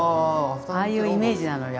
ああいうイメージなのよ